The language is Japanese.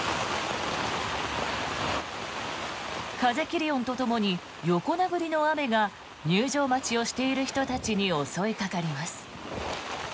風切り音とともに横殴りの雨が入場待ちをしている人たちに襲いかかります。